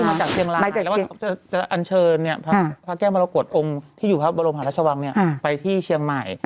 มาจากเชียงรายเสร็จแล้วก็จะอันเชิญพระแก้วมรกฏองค์ที่อยู่พระบรมหาราชวังไปที่เชียงใหม่